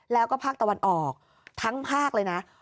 แล้วก็ภาคตะวันออกทั้งภาคเลยนะ